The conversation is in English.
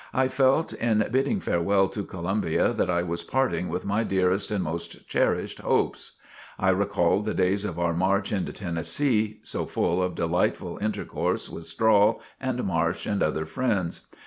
I felt in bidding farewell to Columbia, that I was parting with my dearest and most cherished hopes. I recalled the days of our march into Tennessee, so full of delightful intercourse with Strahl, and Marsh and other friends.